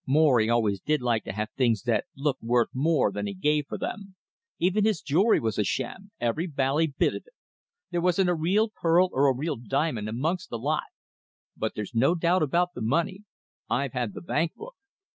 Morry always did like to have things that looked worth more than he gave for them. Even his jewellery was sham every bally bit of it. There wasn't a real pearl or a real diamond amongst the lot. But there's no doubt about the money. I've had the bank book.